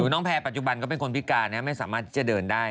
น้องแพร่ปัจจุบันก็เป็นคนพิการนะไม่สามารถที่จะเดินได้